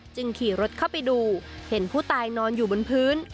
ขี่รถเข้าไปดูเห็นผู้ตายนอนอยู่บนพื้น